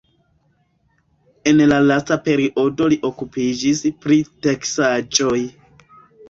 En la lasta periodo li okupiĝis pri teksaĵoj.